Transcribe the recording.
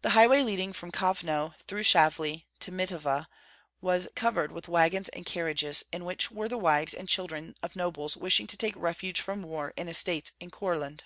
The highway leading from Kovno through Shavli to Mitava was covered with wagons and carriages, in which were the wives and children of nobles wishing to take refuge from war in estates in Courland.